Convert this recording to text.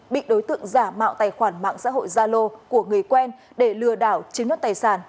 bị đối tượng giả mạo tài khoản mạng xã hội zalo của người quen để lừa đảo chiếm nhốt tài sản